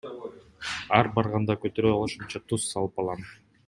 Ар барганда көтөрө алышымча туз салып алам.